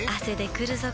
くるぞ？